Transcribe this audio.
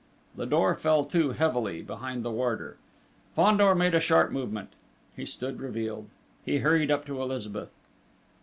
The door fell to, heavily, behind the warder. Fandor made a sharp movement. He stood revealed. He hurried up to Elizabeth.